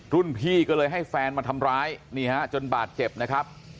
รุ่นพี่ก็เลยให้แฟนมาทำร้ายนี่ฮะจนบาดเจ็บนะครับ